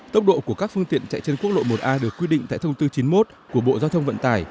tốc độ của các phương tiện chạy trên quốc lộ một a được quy định tại thông tư chín mươi một của bộ giao thông vận tải